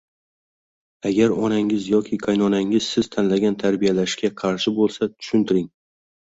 Agar onangiz yoki qaynonangiz siz tanlagan tarbiyalashga qarshi bo'lsa, tusuntiring.